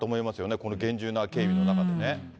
この厳重な警備の中でね。